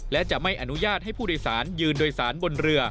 และจะไม่อนุญาตให้ผู้โดยสารยืนโดยสารบนเรือ